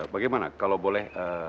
bagaimana kalau boleh